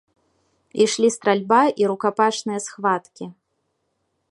Ішлі стральба і рукапашныя схваткі.